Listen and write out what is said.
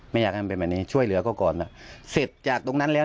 ไม่อยากให้มันเป็นแบบนี้ช่วยเหลือเขาก่อนเสร็จจากตรงนั้นแล้ว